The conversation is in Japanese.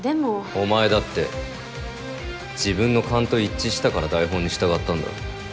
お前だって自分の勘と一致したから台本に従ったんだろ。